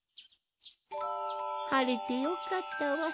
はれてよかったわい。